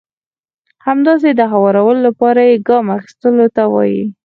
همداسې د هوارولو لپاره يې ګام اخيستلو ته وایي.